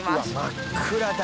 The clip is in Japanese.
真っ暗だ。